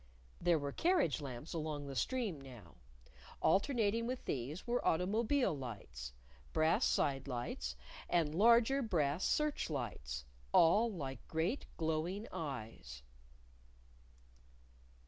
There were carriage lamps along the stream now. Alternating with these were automobile lights brass side lights, and larger brass search lights, all like great glowing eyes.